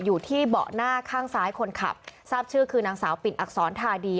อยู่ที่เบาะหน้าข้างซ้ายคนขับทราบชื่อคือนางสาวปิ่นอักษรทาดี